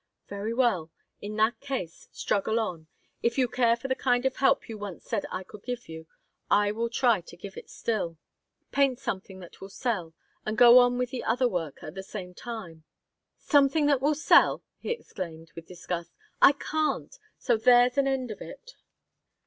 "Very well. In that case, struggle on. If you care for the kind of help you once said I could give you. I will try to give it still. Paint something that will sell, and go on with the other work at the same time." "Something that will sell!" he exclaimed, with disgust. "I can't, so there's an end of it."